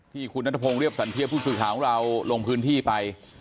ที่คุณนัทพงศ์เรียบสันเทียบผู้สื่อข่าวของเราลงพื้นที่ไป